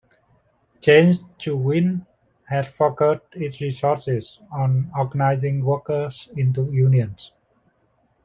Change to Win has focused its resources on organizing workers into unions.